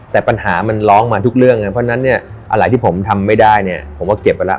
แต่ปัญหามันร้องมาทุกเรื่องไงเพราะฉะนั้นเนี่ยอะไรที่ผมทำไม่ได้เนี่ยผมว่าเก็บไปแล้ว